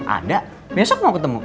ada besok mau ketemu